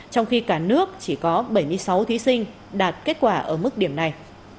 trong khi cả nước chỉ có bảy mươi sáu thí sinh đạt kết quả ở mức điểm này